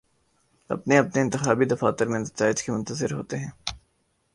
اپنے اپنے انتخابی دفاتر میں نتائج کے منتظر ہوتے ہیں